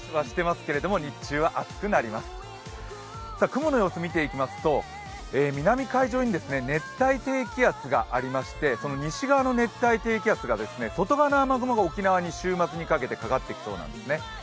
雲の様子を見ていきますと南海上に熱帯低気圧がありましてその西側の熱帯低気圧が外側の雨雲が沖縄・奄美大島などにかかっていくそうなんですね。